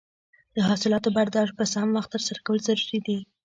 د حاصلاتو برداشت په سم وخت ترسره کول ضروري دي.